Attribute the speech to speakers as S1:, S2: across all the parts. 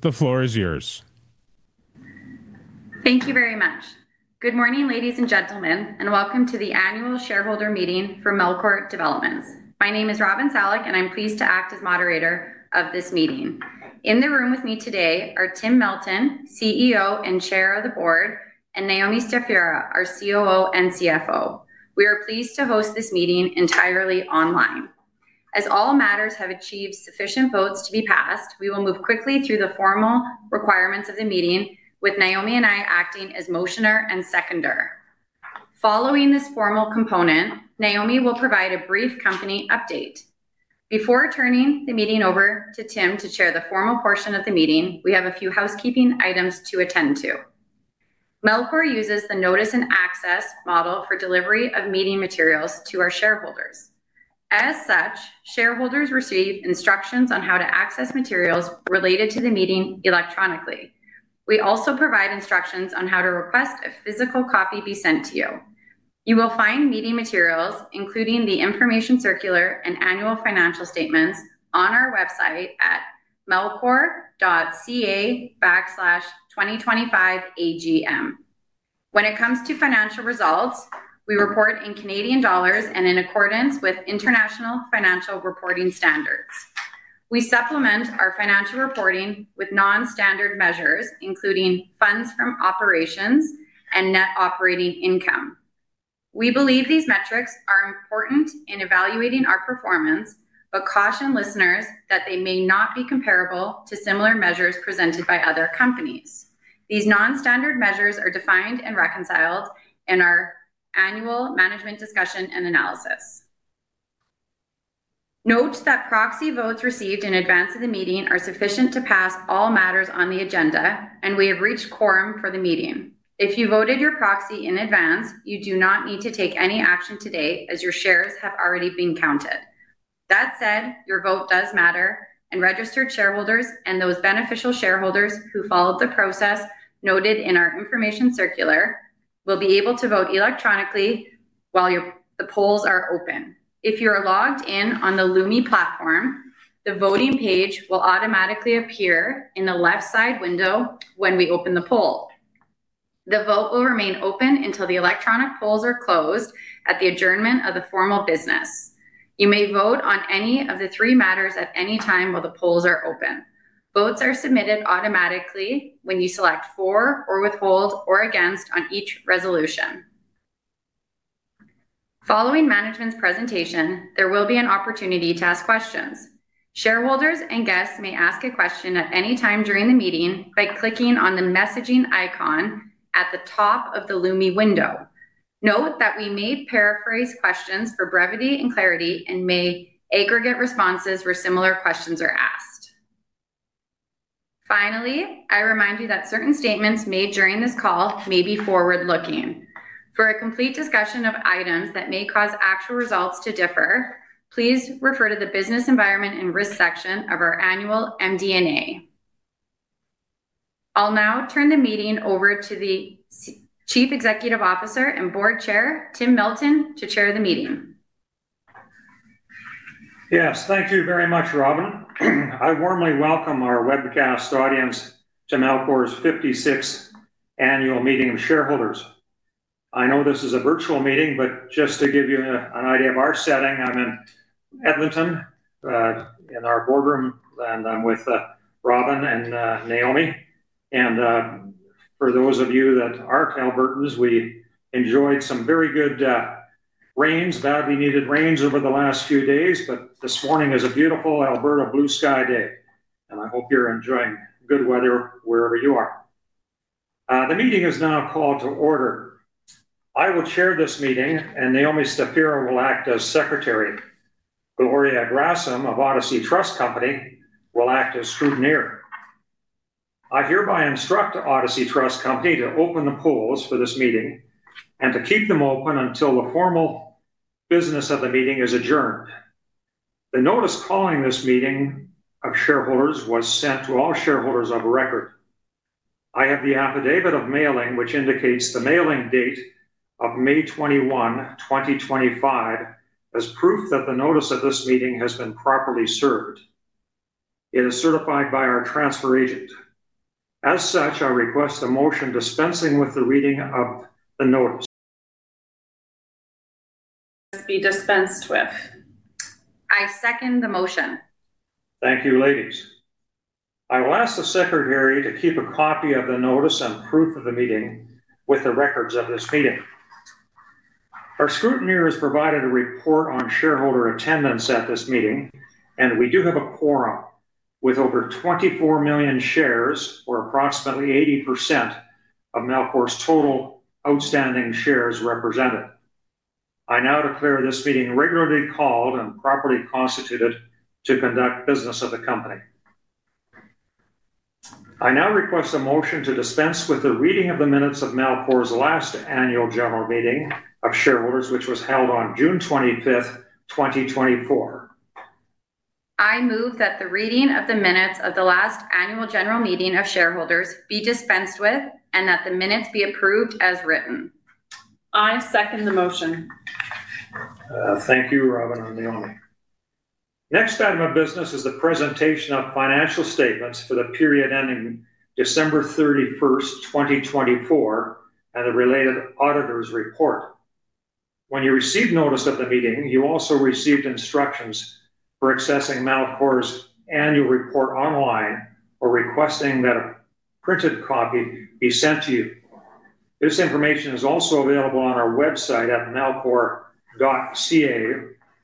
S1: The floor is yours.
S2: Thank you very much. Good morning, ladies and gentlemen, and welcome to the annual shareholder meeting for Melcor Developments. My name is Robyn Salik, and I'm pleased to act as moderator of this meeting. In the room with me today are Tim Melton, CEO and Chair of the Board, and Naomi Stefura, our COO and CFO. We are pleased to host this meeting entirely online. As all matters have achieved sufficient votes to be passed, we will move quickly through the formal requirements of the meeting, with Naomi and I acting as motioner and seconder. Following this formal component, Naomi will provide a brief company update. Before turning the meeting over to Tim to chair the formal portion of the meeting, we have a few housekeeping items to attend to. Melcor uses the notice and access model for delivery of meeting materials to our shareholders. As such, shareholders receive instructions on how to access materials related to the meeting electronically. We also provide instructions on how to request a physical copy be sent to you. You will find meeting materials, including the information circular and annual financial statements, on our website at melcor.ca/2025AGM. When it comes to financial results, we report in CAD and in accordance with International Financial Reporting Standards. We supplement our financial reporting with nonstandard measures, including funds from operations and net operating income. We believe these metrics are important in evaluating our performance, but caution listeners that they may not be comparable to similar measures presented by other companies. These nonstandard measures are defined and reconciled in our annual management discussion and analysis. Note that proxy votes received in advance of the meeting are sufficient to pass all matters on the agenda, and we have reached quorum for the meeting. If you voted your proxy in advance, you do not need to take any action today, as your shares have already been counted. That said, your vote does matter, and registered shareholders and those beneficial shareholders who followed the process noted in our information circular will be able to vote electronically while the polls are open. If you are logged in on the LUMI platform, the voting page will automatically appear in the left side window when we open the poll. The vote will remain open until the electronic polls are closed at the adjournment of the formal business. You may vote on any of the three matters at any time while the polls are open. Votes are submitted automatically when you select for, or withhold, or against on each resolution. Following management's presentation, there will be an opportunity to ask questions. Shareholders and guests may ask a question at any time during the meeting by clicking on the messaging icon at the top of the LUMI window. Note that we may paraphrase questions for brevity and clarity and may aggregate responses where similar questions are asked. Finally, I remind you that certain statements made during this call may be forward-looking. For a complete discussion of items that may cause actual results to differ, please refer to the business environment and risk section of our annual MD&A. I'll now turn the meeting over to the Chief Executive Officer and Board Chair, Tim Melton, to chair the meeting.
S3: Yes, thank you very much, Robyn. I warmly welcome our webcast audience to Melcor's 56th annual meeting of shareholders. I know this is a virtual meeting, but just to give you an idea of our setting, I'm in Edmonton in our boardroom, and I'm with Robyn and Naomi. For those of you that aren't Albertans, we enjoyed some very good rains, badly needed rains over the last few days, but this morning is a beautiful Alberta blue sky day, and I hope you're enjoying good weather wherever you are. The meeting is now called to order. I will chair this meeting, and Naomi Stefura will act as Secretary. Gloria Gherasim of Odyssey Trust Company will act as Scrutineer. I hereby instruct Odyssey Trust Company to open the polls for this meeting and to keep them open until the formal business of the meeting is adjourned. The notice calling this meeting of shareholders was sent to all shareholders of record. I have the affidavit of mailing, which indicates the mailing date of May 21, 2025, as proof that the notice of this meeting has been properly served. It is certified by our transfer agent. As such, I request a motion dispensing with the reading of the notice.
S4: Be dispensed with.
S2: I second the motion.
S3: Thank you, ladies. I will ask the Secretary to keep a copy of the notice and proof of the meeting with the records of this meeting. Our Scrutineer has provided a report on shareholder attendance at this meeting, and we do have a quorum with over 24 million shares, or approximately 80% of Melcor's total outstanding shares represented. I now declare this meeting regularly called and properly constituted to conduct business of the company. I now request a motion to dispense with the reading of the minutes of Melcor's last annual general meeting of shareholders, which was held on June 25th, 2024.
S2: I move that the reading of the minutes of the last annual general meeting of shareholders be dispensed with and that the minutes be approved as written.
S4: I second the motion.
S3: Thank you, Robyn and Naomi. Next item of business is the presentation of financial statements for the period ending December 31st, 2024, and the related auditor's report. When you received notice of the meeting, you also received instructions for accessing Melcor's annual report online or requesting that a printed copy be sent to you. This information is also available on our website at melcor.ca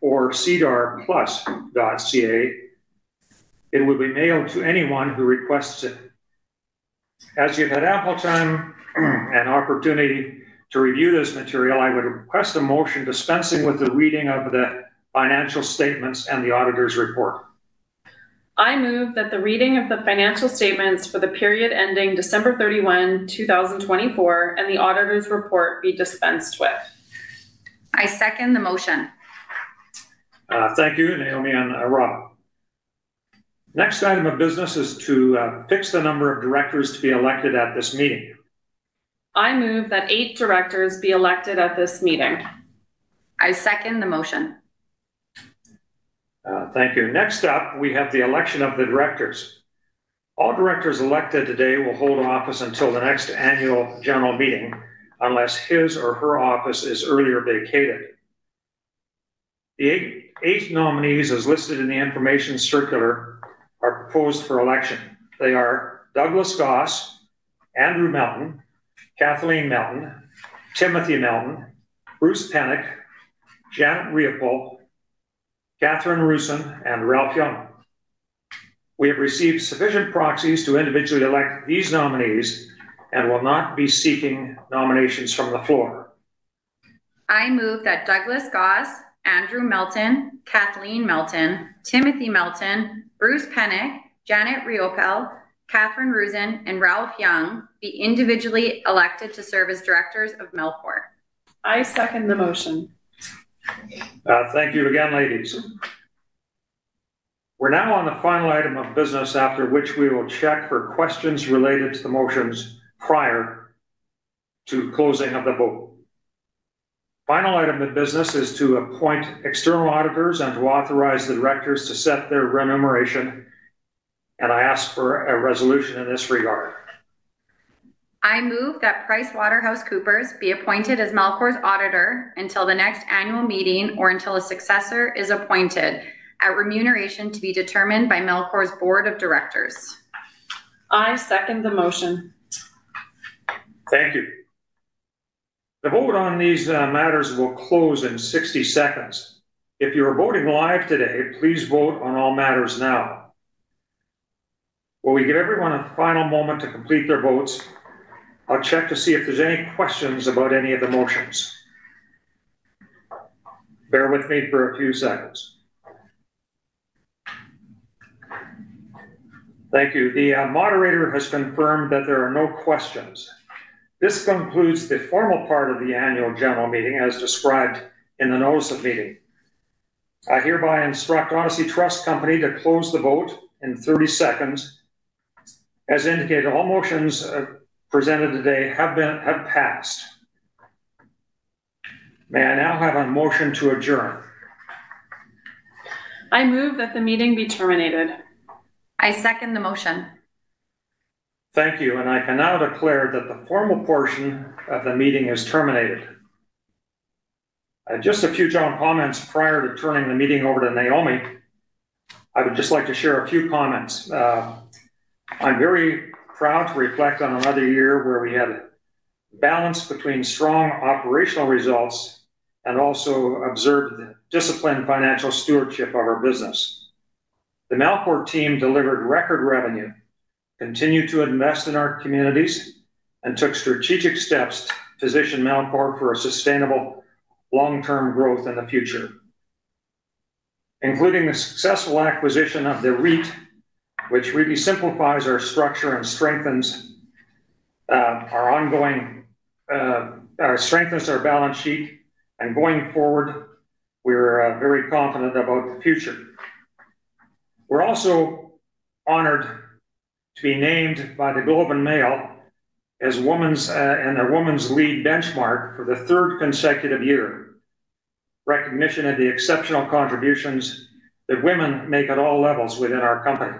S3: or cedarplus.ca. It will be mailed to anyone who requests it. As you've had ample time and opportunity to review this material, I would request a motion dispensing with the reading of the financial statements and the auditor's report.
S4: I move that the reading of the financial statements for the period ending December 31, 2024, and the auditor's report be dispensed with.
S2: I second the motion.
S3: Thank you, Naomi and Robyn. Next item of business is to fix the number of directors to be elected at this meeting.
S4: I move that eight directors be elected at this meeting.
S2: I second the motion.
S3: Thank you. Next up, we have the election of the directors. All directors elected today will hold office until the next annual general meeting unless his or her office is earlier vacated. The eight nominees as listed in the information circular are proposed for election. They are Douglas Goss, Andrew Melton, Kathleen Melton, Timothy Melton, Bruce Pennock, Janet Riopel, Catherine Roozen, and Ralph Young. We have received sufficient proxies to individually elect these nominees and will not be seeking nominations from the floor.
S2: I move that Douglas Goss, Andrew Melton, Kathleen Melton, Timothy Melton, Bruce Pennock, Janet Riopel, Catherine Roozen, and Ralph Young be individually elected to serve as directors of Melcor.
S4: I second the motion.
S3: Thank you again, ladies. We're now on the final item of business, after which we will check for questions related to the motions prior to closing of the board. Final item of business is to appoint external auditors and to authorize the directors to set their remuneration, and I ask for a resolution in this regard.
S2: I move that PricewaterhouseCoopers be appointed as Melcor's auditor until the next annual meeting or until a successor is appointed, at remuneration to be determined by Melcor's board of directors.
S4: I second the motion.
S3: Thank you. The vote on these matters will close in 60 seconds. If you are voting live today, please vote on all matters now. While we give everyone a final moment to complete their votes, I'll check to see if there's any questions about any of the motions. Bear with me for a few seconds. Thank you. The moderator has confirmed that there are no questions. This concludes the formal part of the annual general meeting as described in the notice of meeting. I hereby instruct Odyssey Trust Company to close the vote in 30 seconds. As indicated, all motions presented today have passed. May I now have a motion to adjourn?
S4: I move that the meeting be terminated.
S2: I second the motion.
S3: Thank you. I can now declare that the formal portion of the meeting is terminated. Just a few general comments prior to turning the meeting over to Naomi. I would just like to share a few comments. I'm very proud to reflect on another year where we had balance between strong operational results and also observed disciplined financial stewardship of our business. The Melcor team delivered record revenue, continued to invest in our communities, and took strategic steps to position Melcor for a sustainable long-term growth in the future, including the successful acquisition of the REIT, which really simplifies our structure and strengthens our balance sheet. Going forward, we're very confident about the future. We're also honored to be named by the Globe and Mail as a woman's lead benchmark for the third consecutive year, recognition of the exceptional contributions that women make at all levels within our company.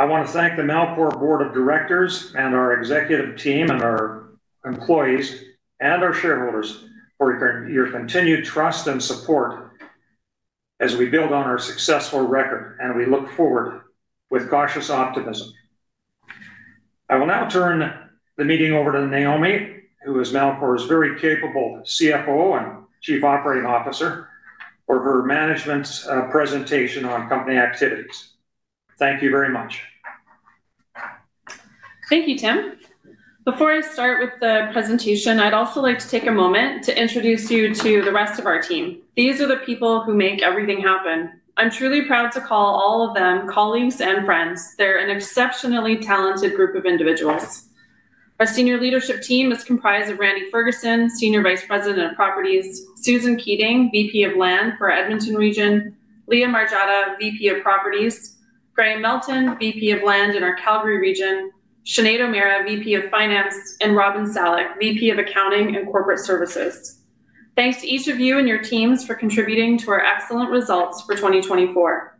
S3: I want to thank the Melcor Board of Directors and our executive team and our employees and our shareholders for your continued trust and support as we build on our successful record, and we look forward with cautious optimism. I will now turn the meeting over to Naomi, who is Melcor's very capable CFO and Chief Operating Officer for her management's presentation on company activities. Thank you very much.
S4: Thank you, Tim. Before I start with the presentation, I'd also like to take a moment to introduce you to the rest of our team. These are the people who make everything happen. I'm truly proud to call all of them colleagues and friends. They're an exceptionally talented group of individuals. Our senior leadership team is comprised of Randy Ferguson, Senior Vice President of Properties, Susan Keating, VP of Land for Edmonton Region, Leah Margiotta, VP of Properties, Graeme Melton, VP of Land in our Calgary Region, Sinead O'Meara, VP of Finance, and Robyn Salik, VP of Accounting and Corporate Services. Thanks to each of you and your teams for contributing to our excellent results for 2024.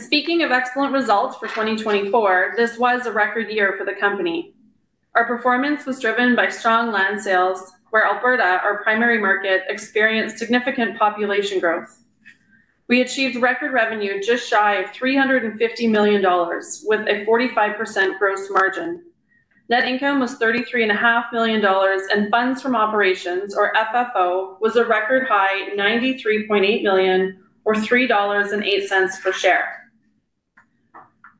S4: Speaking of excellent results for 2024, this was a record year for the company. Our performance was driven by strong land sales, where Alberta, our primary market, experienced significant population growth. We achieved record revenue just shy of 350 million dollars with a 45% gross margin. Net income was 33.5 million dollars, and funds from operations, or FFO, was a record high, 93.8 million, or 3.08 dollars per share.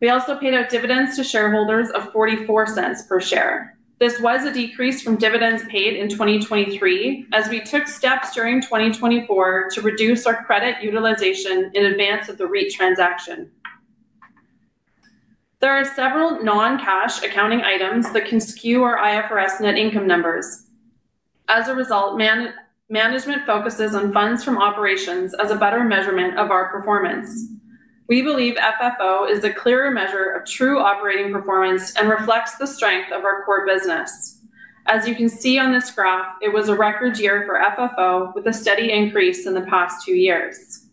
S4: We also paid out dividends to shareholders of 0.44 per share. This was a decrease from dividends paid in 2023, as we took steps during 2024 to reduce our credit utilization in advance of the REIT transaction. There are several non-cash accounting items that can skew our IFRS net income numbers. As a result, management focuses on funds from operations as a better measurement of our performance. We believe FFO is a clearer measure of true operating performance and reflects the strength of our core business. As you can see on this graph, it was a record year for FFO with a steady increase in the past two years.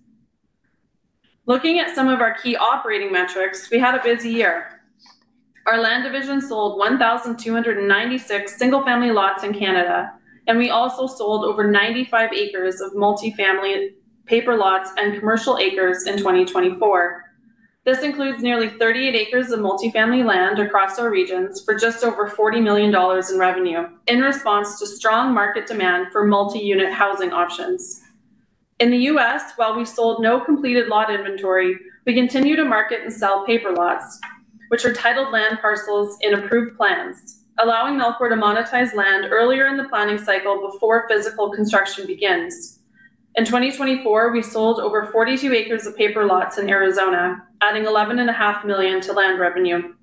S4: Looking at some of our key operating metrics, we had a busy year. Our land division sold 1,296 single-family lots in Canada, and we also sold over 95 acres of multifamily paper lots and commercial acres in 2024. This includes nearly 38 acres of multifamily land across our regions for just over 40 million dollars in revenue in response to strong market demand for multi-unit housing options. In the U.S., while we sold no completed lot inventory, we continue to market and sell paper lots, which are titled land parcels in approved plans, allowing Melcor to monetize land earlier in the planning cycle before physical construction begins. In 2024, we sold over 42 acres of paper lots in Arizona, adding 11.5 million to land revenue.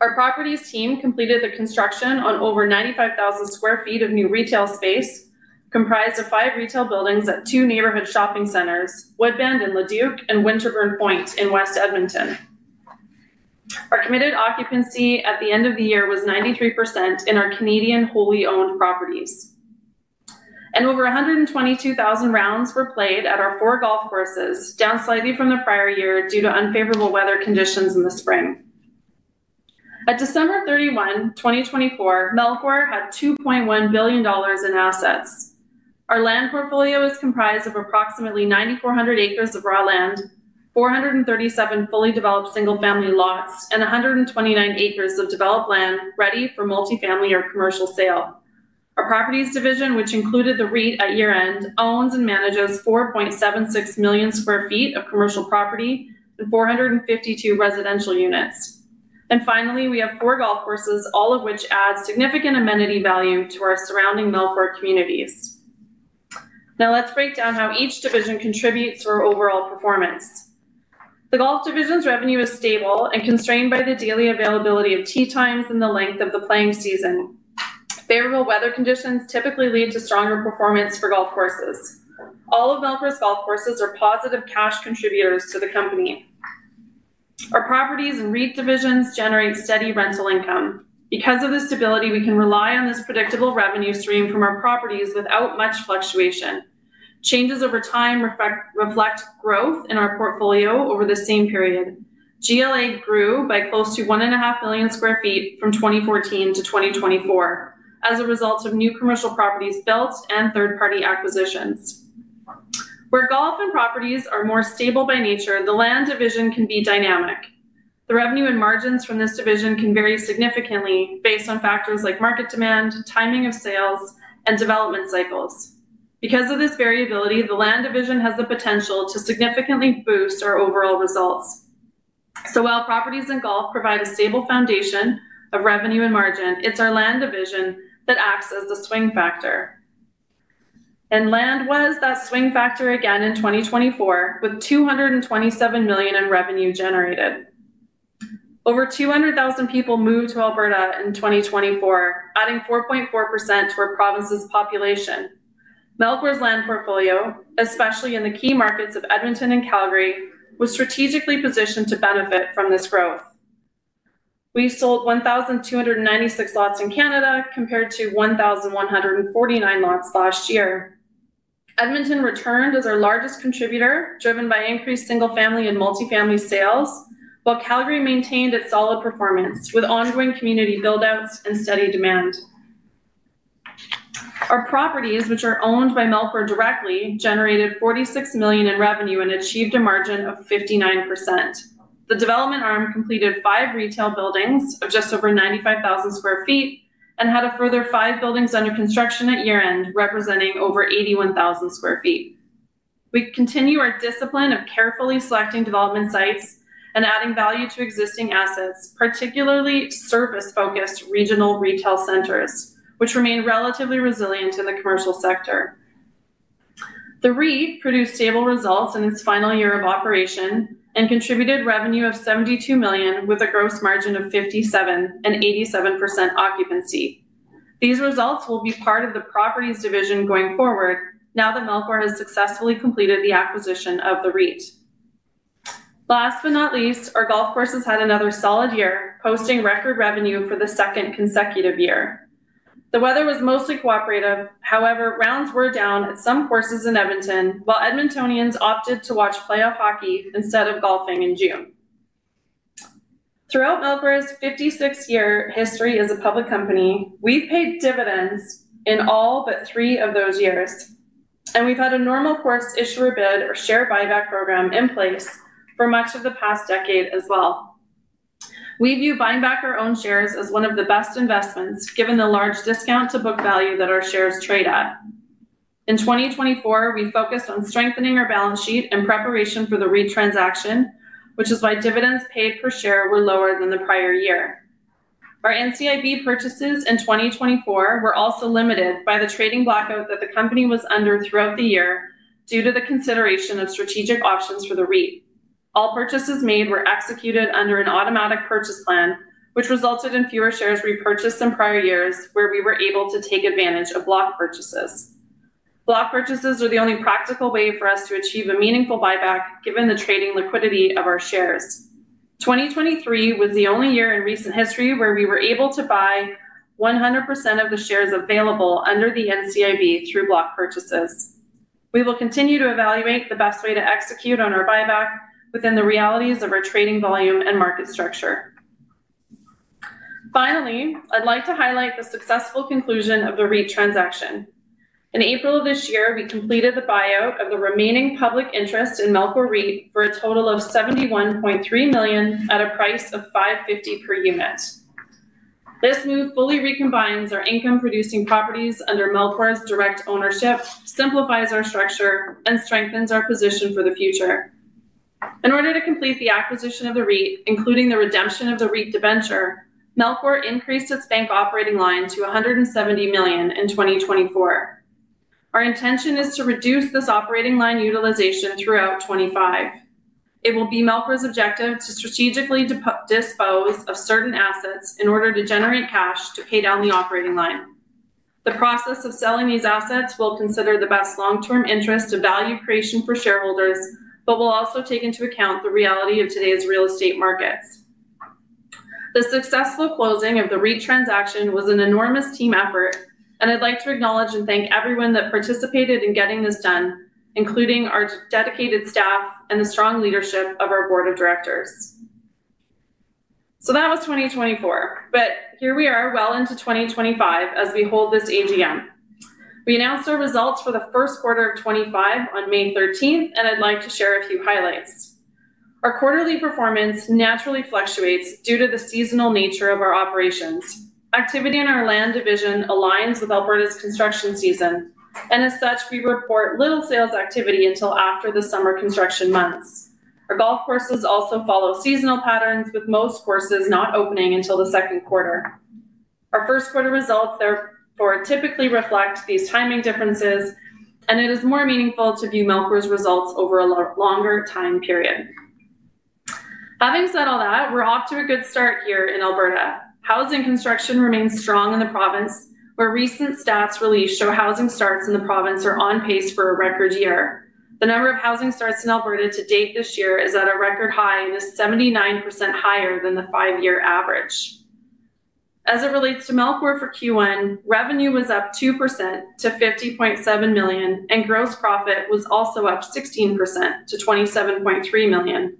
S4: Our properties team completed the construction on over 95,000 sq ft of new retail space, comprised of five retail buildings at two neighborhood shopping centers, Woodbend in Leduc and Winterburn Point in West Edmonton. Our committed occupancy at the end of the year was 93% in our Canadian wholly owned properties. Over 122,000 rounds were played at our four golf courses, down slightly from the prior year due to unfavorable weather conditions in the spring. At December 31, 2024, Melcor had 2.1 billion dollars in assets. Our land portfolio is comprised of approximately 9,400 acres of raw land, 437 fully developed single-family lots, and 129 acres of developed land ready for multifamily or commercial sale. Our properties division, which included the REIT at year-end, owns and manages 4.76 million sq ft of commercial property and 452 residential units. Finally, we have four golf courses, all of which add significant amenity value to our surrounding Melcor communities. Now let's break down how each division contributes to our overall performance. The golf division's revenue is stable and constrained by the daily availability of tee times and the length of the playing season. Favorable weather conditions typically lead to stronger performance for golf courses. All of Melcor's golf courses are positive cash contributors to the company. Our properties and REIT divisions generate steady rental income. Because of this stability, we can rely on this predictable revenue stream from our properties without much fluctuation. Changes over time reflect growth in our portfolio over the same period. GLA grew by close to 1.5 million sq ft from 2014 to 2024 as a result of new commercial properties built and third-party acquisitions. Where golf and properties are more stable by nature, the land division can be dynamic. The revenue and margins from this division can vary significantly based on factors like market demand, timing of sales, and development cycles. Because of this variability, the land division has the potential to significantly boost our overall results. While properties and golf provide a stable foundation of revenue and margin, it's our land division that acts as the swing factor. Land was that swing factor again in 2024, with 227 million in revenue generated. Over 200,000 people moved to Alberta in 2024, adding 4.4% to our province's population. Melcor's land portfolio, especially in the key markets of Edmonton and Calgary, was strategically positioned to benefit from this growth. We sold 1,296 lots in Canada compared to 1,149 lots last year. Edmonton returned as our largest contributor, driven by increased single-family and multifamily sales, while Calgary maintained its solid performance with ongoing community buildouts and steady demand. Our properties, which are owned by Melcor directly, generated 46 million in revenue and achieved a margin of 59%. The development arm completed five retail buildings of just over 95,000 sq ft and had a further five buildings under construction at year-end, representing over 81,000 sq ft. We continue our discipline of carefully selecting development sites and adding value to existing assets, particularly service-focused regional retail centers, which remain relatively resilient in the commercial sector. The REIT produced stable results in its final year of operation and contributed revenue of 72 million with a gross margin of 57% and 87% occupancy. These results will be part of the properties division going forward now that Melcor has successfully completed the acquisition of the REIT. Last but not least, our golf courses had another solid year, posting record revenue for the second consecutive year. The weather was mostly cooperative. However, rounds were down at some courses in Edmonton, while Edmontonians opted to watch playoff hockey instead of golfing in June. Throughout Melcor's 56-year history as a public company, we've paid dividends in all but three of those years, and we've had a normal course issuer bid or share buyback program in place for much of the past decade as well. We view buying back our own shares as one of the best investments, given the large discount to book value that our shares trade at. In 2024, we focused on strengthening our balance sheet in preparation for the REIT transaction, which is why dividends paid per share were lower than the prior year. Our NCIB purchases in 2024 were also limited by the trading blackout that the company was under throughout the year due to the consideration of strategic options for the REIT. All purchases made were executed under an automatic purchase plan, which resulted in fewer shares repurchased than prior years, where we were able to take advantage of block purchases. Block purchases were the only practical way for us to achieve a meaningful buyback, given the trading liquidity of our shares. 2023 was the only year in recent history where we were able to buy 100% of the shares available under the NCIB through block purchases. We will continue to evaluate the best way to execute on our buyback within the realities of our trading volume and market structure. Finally, I'd like to highlight the successful conclusion of the REIT transaction. In April of this year, we completed the buyout of the remaining public interest in Melcor REIT for a total of 71.3 million at a price of 550 per unit. This move fully recombines our income-producing properties under Melcor's direct ownership, simplifies our structure, and strengthens our position for the future. In order to complete the acquisition of the REIT, including the redemption of the REIT debenture, Melcor increased its bank operating line to 170 million in 2024. Our intention is to reduce this operating line utilization throughout 2025. It will be Melcor's objective to strategically dispose of certain assets in order to generate cash to pay down the operating line. The process of selling these assets will consider the best long-term interest and value creation for shareholders, but will also take into account the reality of today's real estate markets. The successful closing of the REIT transaction was an enormous team effort, and I'd like to acknowledge and thank everyone that participated in getting this done, including our dedicated staff and the strong leadership of our board of directors. That was 2024, but here we are well into 2025 as we hold this AGM. We announced our results for the first quarter of 2025 on May 13th, and I'd like to share a few highlights. Our quarterly performance naturally fluctuates due to the seasonal nature of our operations. Activity in our land division aligns with Alberta's construction season, and as such, we report little sales activity until after the summer construction months. Our golf courses also follow seasonal patterns, with most courses not opening until the second quarter. Our first quarter results, therefore, typically reflect these timing differences, and it is more meaningful to view Melcor's results over a longer time period. Having said all that, we're off to a good start here in Alberta. Housing construction remains strong in the province, where recent stats released show housing starts in the province are on pace for a record year. The number of housing starts in Alberta to date this year is at a record high and is 79% higher than the five-year average. As it relates to Melcor for Q1, revenue was up 2% to 50.7 million, and gross profit was also up 16% to 27.3 million.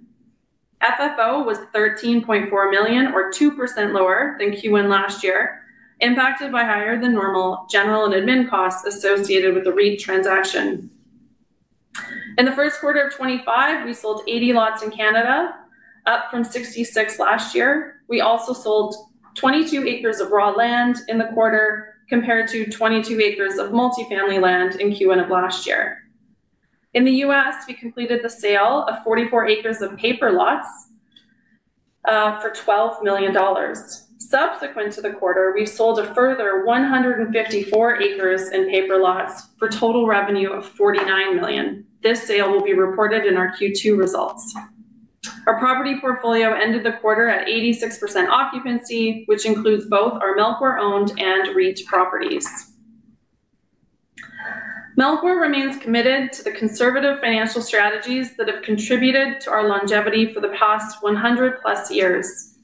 S4: FFO was 13.4 million, or 2% lower than Q1 last year, impacted by higher-than-normal general and admin costs associated with the REIT transaction. In the first quarter of 2025, we sold 80 lots in Canada, up from 66 last year. We also sold 22 acres of raw land in the quarter compared to 22 acres of multifamily land in Q1 of last year. In the U.S., we completed the sale of 44 acres of paper lots for 12 million dollars. Subsequent to the quarter, we sold a further 154 acres in paper lots for total revenue of 49 million. This sale will be reported in our Q2 results. Our property portfolio ended the quarter at 86% occupancy, which includes both our Melcor-owned and REIT properties. Melcor remains committed to the conservative financial strategies that have contributed to our longevity for the past 100-plus years.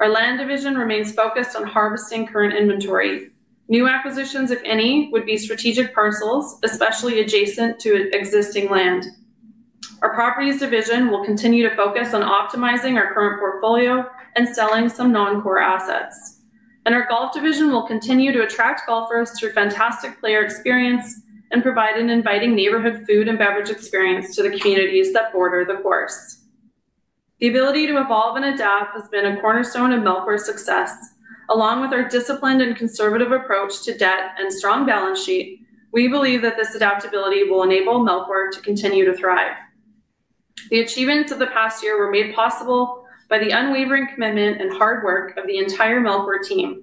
S4: Our land division remains focused on harvesting current inventory. New acquisitions, if any, would be strategic parcels, especially adjacent to existing land. Our properties division will continue to focus on optimizing our current portfolio and selling some non-core assets. Our golf division will continue to attract golfers through fantastic player experience and provide an inviting neighborhood food and beverage experience to the communities that border the course. The ability to evolve and adapt has been a cornerstone of Melcor's success. Along with our disciplined and conservative approach to debt and strong balance sheet, we believe that this adaptability will enable Melcor to continue to thrive. The achievements of the past year were made possible by the unwavering commitment and hard work of the entire Melcor team.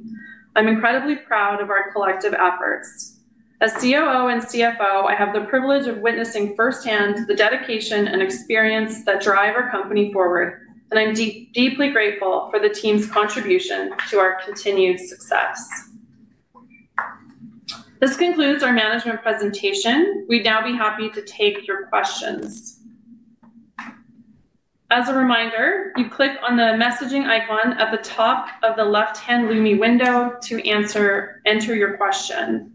S4: I'm incredibly proud of our collective efforts. As COO and CFO, I have the privilege of witnessing firsthand the dedication and experience that drive our company forward, and I'm deeply grateful for the team's contribution to our continued success. This concludes our management presentation. We'd now be happy to take your questions. As a reminder, you click on the messaging icon at the top of the left-hand LUMI window to enter your question.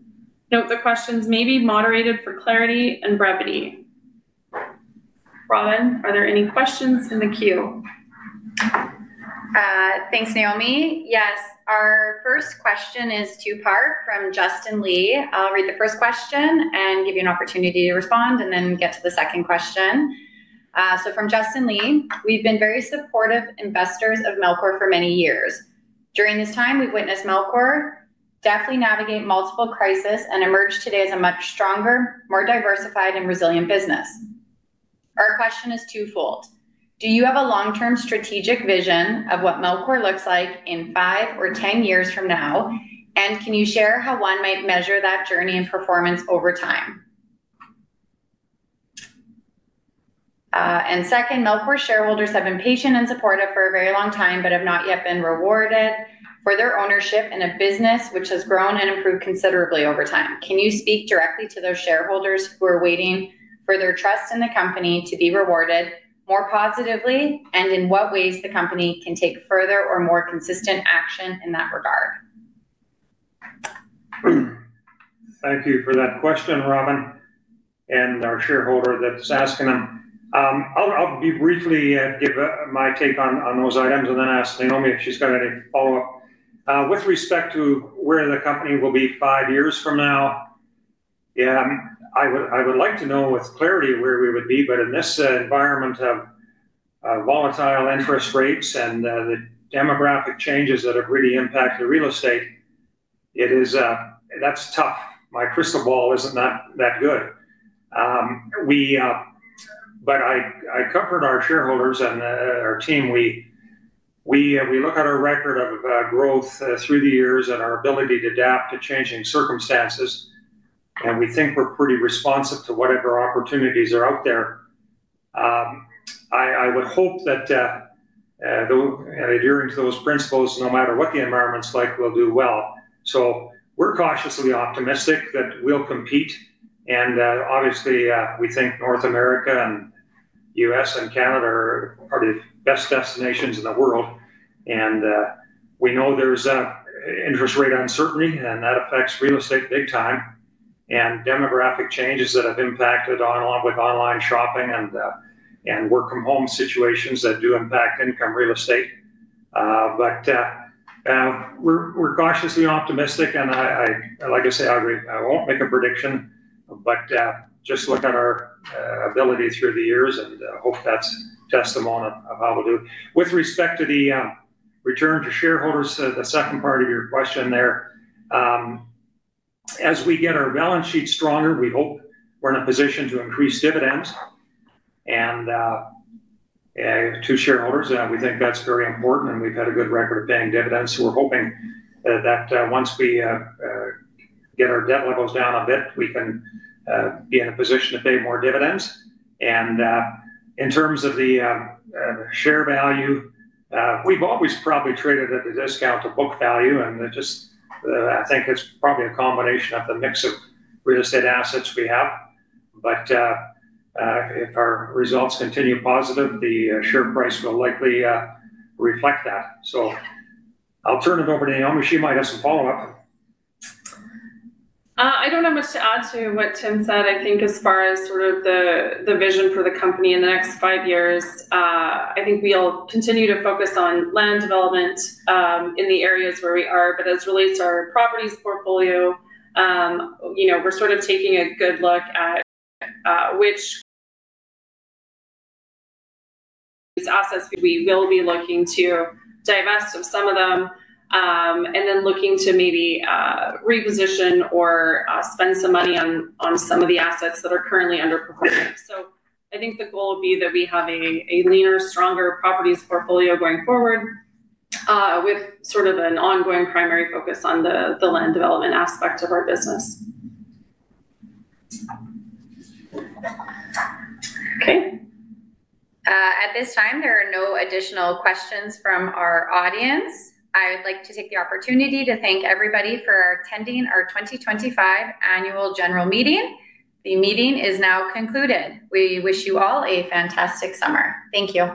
S4: Note the questions may be moderated for clarity and brevity. Robyn, are there any questions in the queue?
S2: Thanks, Naomi. Yes, our first question is two-part from Justin Lee. I'll read the first question and give you an opportunity to respond and then get to the second question. So from Justin Lee, we've been very supportive investors of Melcor for many years. During this time, we've witnessed Melcor deftly navigate multiple crises and emerge today as a much stronger, more diversified, and resilient business. Our question is twofold. Do you have a long-term strategic vision of what Melcor looks like in five or ten years from now, and can you share how one might measure that journey and performance over time? Second, Melcor shareholders have been patient and supportive for a very long time but have not yet been rewarded for their ownership in a business which has grown and improved considerably over time. Can you speak directly to those shareholders who are waiting for their trust in the company to be rewarded more positively and in what ways the company can take further or more consistent action in that regard?
S3: Thank you for that question, Robyn, and our shareholder that's asking them. I'll briefly give my take on those items, and then ask Naomi if she's got any follow-up. With respect to where the company will be five years from now, I would like to know with clarity where we would be, but in this environment of volatile interest rates and the demographic changes that have really impacted real estate, that's tough. My crystal ball isn't that good. I comfort our shareholders and our team. We look at our record of growth through the years and our ability to adapt to changing circumstances, and we think we're pretty responsive to whatever opportunities are out there. I would hope that adhering to those principles, no matter what the environment's like, we'll do well. We're cautiously optimistic that we'll compete, and obviously, we think North America and the U.S. and Canada are probably the best destinations in the world. We know there's interest rate uncertainty, and that affects real estate big time, and demographic changes that have impacted online shopping and work-from-home situations that do impact income real estate. We're cautiously optimistic, and like I say, I won't make a prediction, but just look at our ability through the years and hope that's testimony of how we'll do. With respect to the return to shareholders, the second part of your question there, as we get our balance sheet stronger, we hope we're in a position to increase dividends to shareholders. We think that's very important, and we've had a good record of paying dividends. We're hoping that once we get our debt levels down a bit, we can be in a position to pay more dividends. In terms of the share value, we've always probably traded at a discount to book value, and I think it's probably a combination of the mix of real estate assets we have. If our results continue positive, the share price will likely reflect that. I'll turn it over to Naomi. She might have some follow-up.
S4: I don't have much to add to what Tim said. I think as far as sort of the vision for the company in the next five years, I think we'll continue to focus on land development in the areas where we are. As it relates to our properties portfolio, we're sort of taking a good look at which assets we will be looking to divest of some of them and then looking to maybe reposition or spend some money on some of the assets that are currently underperforming. I think the goal would be that we have a leaner, stronger properties portfolio going forward with sort of an ongoing primary focus on the land development aspect of our business.
S2: At this time, there are no additional questions from our audience. I would like to take the opportunity to thank everybody for attending our 2025 annual general meeting. The meeting is now concluded. We wish you all a fantastic summer. Thank you.